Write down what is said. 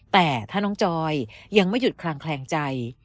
แต่ถ้าน้องจอยยังไม่หยุดคลางแคลงใจ